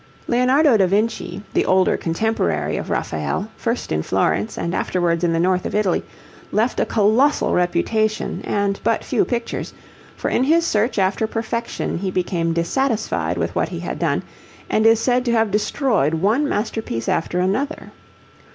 Leonardo da Vinci, the older contemporary of Raphael, first in Florence and afterwards in the north of Italy, left a colossal reputation and but few pictures, for in his search after perfection he became dissatisfied with what he had done and is said to have destroyed one masterpiece after another.